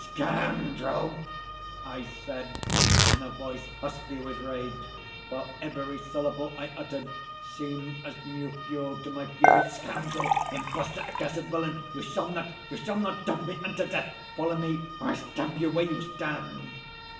"Scoundrel!" I said, in a voice husky with rage, while every syllable I uttered seemed as new fuel to my fury, "scoundrel! impostor! accursed villain! you shall not—you shall not dog me unto death! Follow me, or I stab you where you stand!"